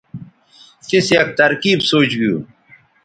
تِیس یک ترکیب سوچ گِیُو